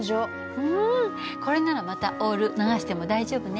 うんこれならまたオール流しても大丈夫ね。